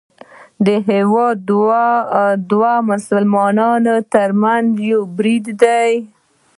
دا هیواد د دوو مسلمانانو ترمنځ یو برید دی